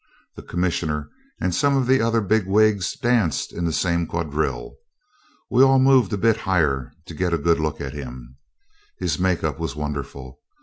The Commissioner and some of the other big wigs danced in the same quadrille. We all moved a bit higher to get a good look at him. His make up was wonderful.